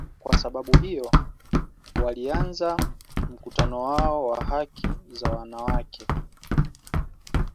Kwa sababu hiyo, walianzisha mkutano wao wa haki za wanawake.